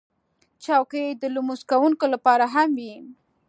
چوکۍ د لمونځ کوونکو لپاره هم وي.